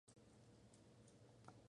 Al sur-sureste aparece el cráter Main.